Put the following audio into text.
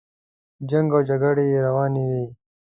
جنګ او جګړې روانې وې.